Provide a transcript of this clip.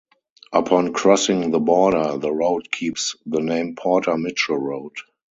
Upon crossing the border, the road keeps the name Porter Mitchell Road.